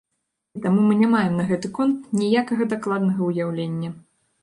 І таму мы не маем на гэты конт ніякага дакладнага ўяўлення.